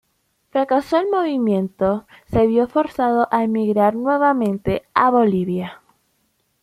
Fracasado el movimiento se vio forzado a emigrar nuevamente a Bolivia.